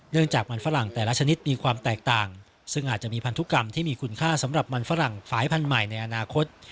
จากมันฝรั่งแต่ละชนิดมีความแตกต่างซึ่งอาจจะมีพันธุกรรมที่มีคุณค่าสำหรับมันฝรั่งสายพันธุ์ใหม่ในอนาคต